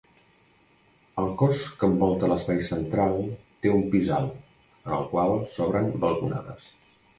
El cos que envolta l'espai central té un pis alt, en el qual s'obren balconades.